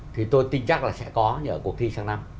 thì tôi tin chắc là sẽ có như ở cuộc thi sang năm